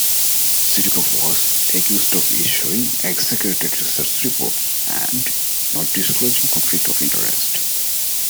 Citigroup was accused of issuing exaggerated research reports and not disclosing conflicts of interest.